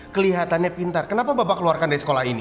kelihatannya pintar kenapa bapak keluarkan dari sekolah ini